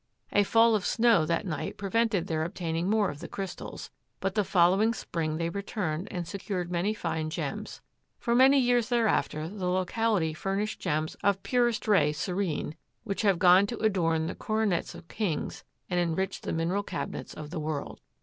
A fall of snow that night prevented their obtaining more of the crystals, but the following spring they returned and secured many fine gems. For many years thereafter the locality furnished gems of purest ray serene which have gone to adorn the coronets of kings and enriched the mineral cabinets of the world.